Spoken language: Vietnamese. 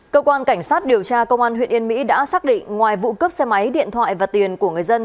cơ quan cảnh sát điều tra công an huyện yên mỹ đã xác định ngoài vụ cướp xe máy điện thoại và tiền của người dân